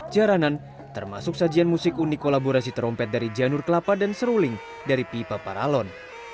jaranan termasuk sajian musik unik kolaborasi trompet dari janur kelapa dan seruling dari pipa paralon